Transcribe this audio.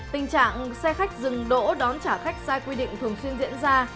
tình trạng xe khách dừng đỗ đón trả khách sai quy định thường xuyên diễn ra